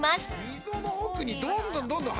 溝の奥にどんどんどんどん入っちゃう。